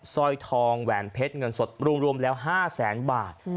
สร้อยทองแหวนเพชรเงินสดรวมแล้ว๕แสนบาท